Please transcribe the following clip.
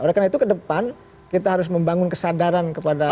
oleh karena itu ke depan kita harus membangun kesadaran kepada